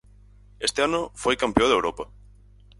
Este ano foi campioa de Europa.